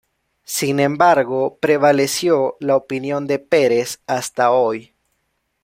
Sin embargo, prevaleció la opinión de Peres hasta hoy.